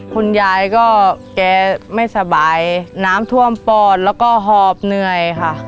คุณยายแกก็ไม่สบายน้ำถั่วมปอดและหอบเหนื่อยค่ะ